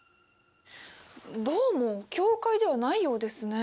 どうも境界ではないようですね。